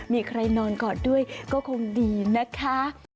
มีใครนอนกอดด้วยก็คงดีนะคะ